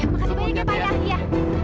makasih banyak ya pak ya